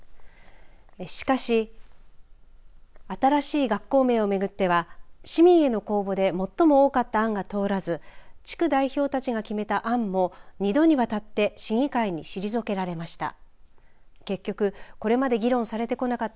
しかし新しい学校名を巡っては市営の公募で最も多かった案が通らず地区代表たちが決めた案も２度にわたって市議会に退けられました。